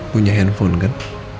punya handphone kan